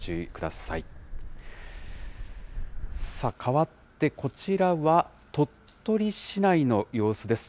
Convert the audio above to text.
さあ、かわって、こちらは鳥取市内の様子です。